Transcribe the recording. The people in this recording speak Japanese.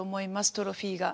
トロフィーが。